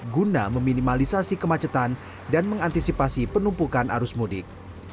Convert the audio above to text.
guna meminimalisasi kemacetan dan mengantisipasi penumpukan arus mudik